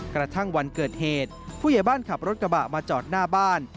กระทั่งวันเกิดเหตุผู้ใหญ่บ้านขับรถกระบะมาจอดหน้าบ้าน